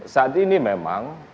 saat ini memang